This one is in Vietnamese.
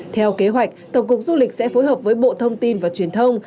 theo kế hoạch tổng cục du lịch sẽ phối hợp với bộ thông tin và truyền thông